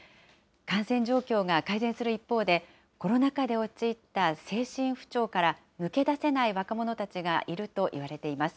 感染状況が改善する一方で、コロナ禍で陥った精神不調から抜け出せない若者たちがいるといわれています。